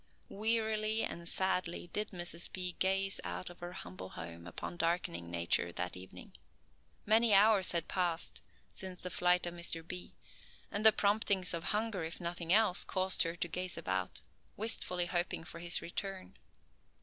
Wearily and sadly did Mrs. B. gaze out of her humble home upon darkening nature that evening. Many hours had passed since the flight of Mr. B., and the promptings of hunger, if nothing else, caused her to gaze about, wistfully hoping for his return.